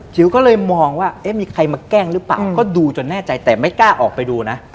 จิ๋วก็เลยมองว่าเอ๊ะมีใครมาแกล้งหรือเปล่าก็ดูจนแน่ใจแต่ไม่กล้าออกไปดูนะ